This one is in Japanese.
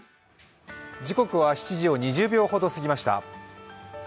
時刻は７時を２０秒ほど過ぎました、